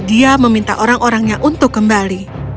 dia meminta orang orangnya untuk kembali